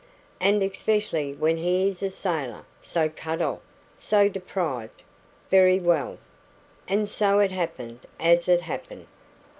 And especially when he is a sailor so cut off so deprived Very well. And so it happened as it happened.